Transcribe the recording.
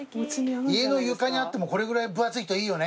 家の床にあってもこれぐらい分厚いといいよね。